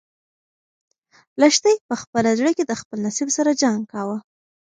لښتې په خپل زړه کې د خپل نصیب سره جنګ کاوه.